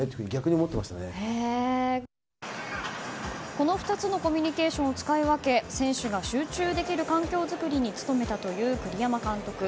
この２つのコミュニケーションを使い分け選手が集中できる環境づくりに努めたという栗山監督。